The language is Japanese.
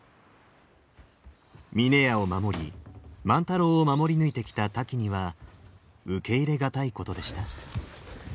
峰屋を守り万太郎を守り抜いてきたタキには受け入れ難いことでした。